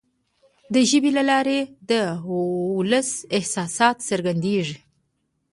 د ژبي له لارې د ولس احساسات څرګندیږي.